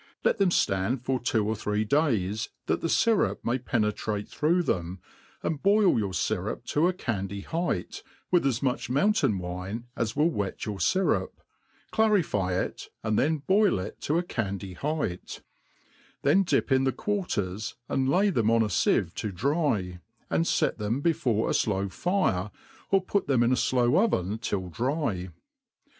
Let them ftand for two or three days, that the fyrup may penetrate through them, and boil your fyrup to a candy height, with as much ntoun tain wine as will wet your fyrup^ clarify it,, and then boil it to a candy height ; then dip in the quarters, an(} lay them on a fieve to dry, and kt them before a flow fire, or put them in a flow oven till dry.